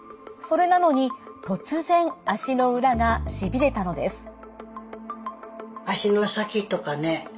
それなのに突然足の裏がしびれたのです。